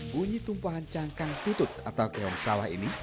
bunyi tumpahan cangkang putut atau keong sawah ini